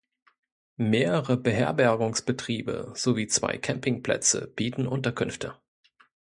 Mehrere Beherbergungsbetriebe sowie zwei Campingplätze bieten Unterkünfte.